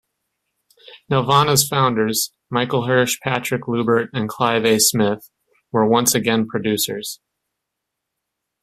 Nelvana's founders-Michael Hirsh, Patrick Loubert and Clive A. Smith-were once again producers.